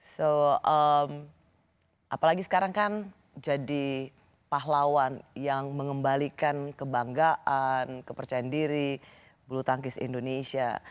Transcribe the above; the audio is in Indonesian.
so apalagi sekarang kan jadi pahlawan yang mengembalikan kebanggaan kepercayaan diri bulu tangkis indonesia